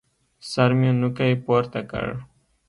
سر مې نوکى پورته کړ.